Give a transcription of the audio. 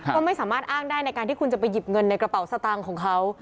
ก็ไม่สามารถอ้างได้ในการที่คุณจะไปหยิบเงินในกระเป๋าสตางค์ของเขา